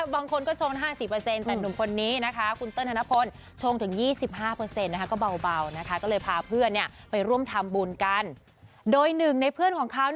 บางคนชง๑๐๐เปอร์เซ็นต์